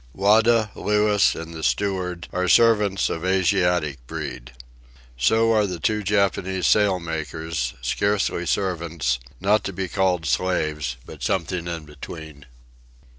Wada, Louis, and the steward are servants of Asiatic breed. So are the two Japanese sail makers—scarcely servants, not to be called slaves, but something in between.